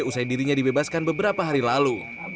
usai dirinya dibebaskan beberapa hari lalu